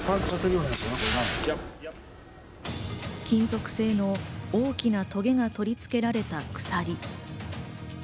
金属製の大きなトゲが取り付けられた鎖。